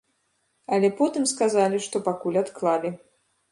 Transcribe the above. Але потым сказалі, што пакуль адклалі.